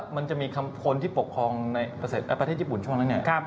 มันจะมีคนที่ปกครองในประเศษประเทศญี่ปุ่นช่วงแล้วเนี่ย